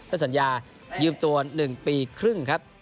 สัญญายืมตัว๑ปีครึ่งครับ